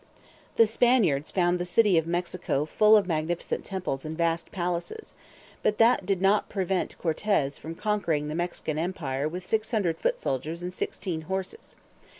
The Spaniards found the City of Mexico full of magnificent temples and vast palaces; but that did not prevent Cortes from conquering the Mexican Empire with 600 foot soldiers and sixteen horses.